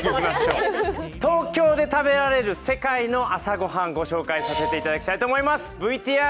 東京で食べられる世界の朝ごはん、ご紹介させていただきたいと思います。